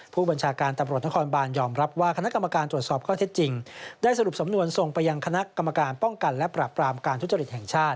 ผู้บัญชาการตำรวจนครบาน